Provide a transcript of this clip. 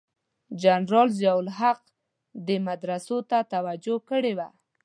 جنرال ضیأ الحق دې مدرسو ته توجه کړې وه.